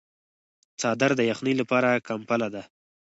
څادر د یخنۍ لپاره کمپله ده.